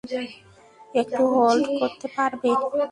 একটু হোল্ড করতে পারবে?